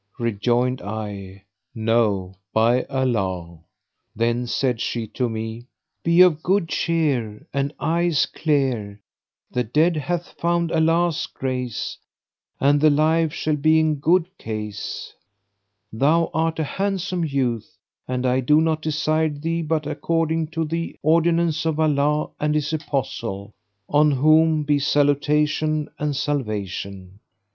Rejoined I, No, by Allah!" Then said she to me, "Be of good cheer and eyes clear; the dead hath found Allah's grace, and the live shall be in good case. Thou art a handsome youth and I do not desire thee but according to the ordinance of Allah and His Apostle (on whom be salutation and salvation!).